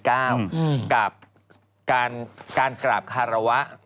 กับการกราบคารวะ